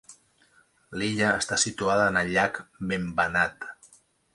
L'illa està situada en el llac Vembanad.